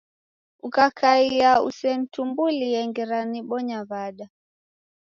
Ukakaia usenitumbulie ngera nibonya w'ada?